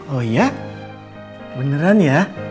oh iya beneran ya